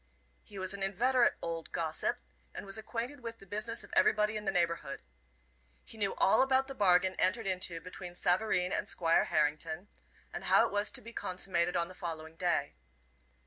He was an inveterate old gossip, and was acquainted with the business of everybody in the neighborhood. He knew all about the bargain entered into between Savareen and Squire Harrington, and how it was to be consummated on the following day.